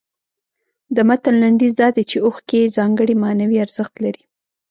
د متن لنډیز دا دی چې اوښکې ځانګړی معنوي ارزښت لري.